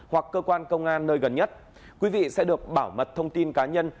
hoặc cơ quan công an nơi gần nhất quý vị sẽ được bảo mật thông tin cá nhân